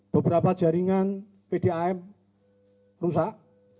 beberapa jaringan pdam rusak